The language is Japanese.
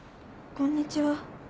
こんにちは。